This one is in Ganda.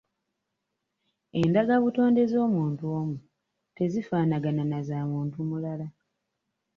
Endagabutonde z'omuntu omu tezifaanagana na zamuntu mulala.